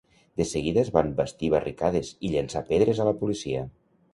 De seguida es van bastir barricades i llançar pedres a la policia.